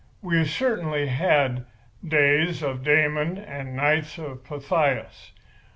We certainly had days of Damon and nights of Pythias.